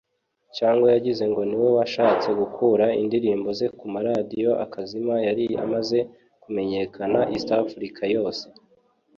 cyangwa yagize ngo niwe washatse gukura indirimbo ze ku ma radio akazima yari amaze kumenyekana East Africa yose